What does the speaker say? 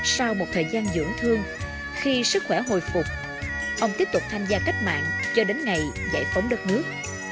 sau một thời gian dưỡng thương khi sức khỏe hồi phục ông tiếp tục tham gia cách mạng cho đến ngày giải phóng đất nước